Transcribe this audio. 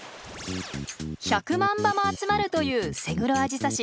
１００万羽も集まるというセグロアジサシ。